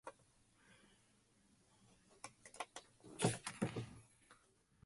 The school has consistently won the regional and state competitions for almost a decade.